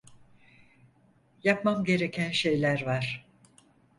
Yapmam gereken şeyler var.